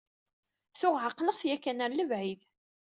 Tuɣ ɛeqleɣ-t yakan ɣer lebɛid.